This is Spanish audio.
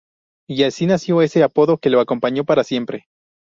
Y así nació ese apodo que lo acompañó para siempre.